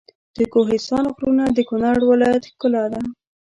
د کوهستان غرونه د کنړ ولایت ښکلا ده.